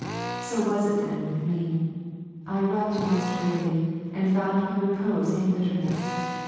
So was it then with me; I wept most bitterly, and found my repose in bitterness.